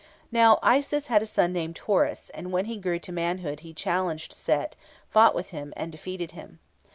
Now, Isis had a son named Horus, and when he grew to manhood he challenged Set, fought with him, and defeated him.